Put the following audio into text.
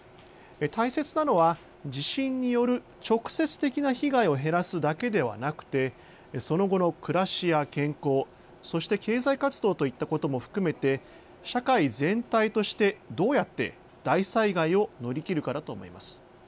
大切なのは地震による直接的な被害を減らすだけではなくて、その後の暮らしや健康、そして経済活動といったことも含めて社会全体としてどうやって大災害を乗り切るかだと思います。